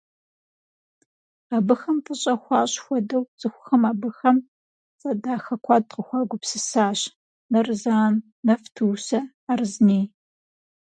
Абыхэм фӀыщӀэ хуащӀ хуэдэу цӀыхухэм абыхэм цӀэ дахэ куэд къыхуагупсысащ: «Нарзан», «Нафтусэ», «Арзни».